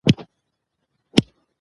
بیرغ له لاسه ولوېد.